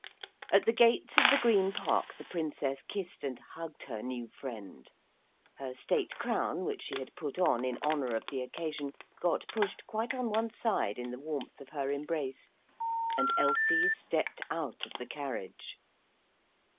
At the gates of the green park the Princess kissed and hugged her new friend her state crown, which she had put on in honour of the occasion, got pushed quite on one side in the warmth of her embrace and Elsie stepped out of the carriage.